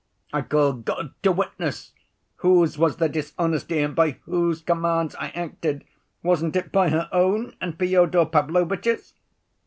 I call God to witness whose was the dishonesty and by whose commands I acted, wasn't it by her own and Fyodor Pavlovitch's?